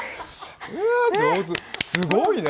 すごいね。